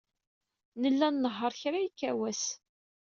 Nella nnehheṛ kra yekka wass.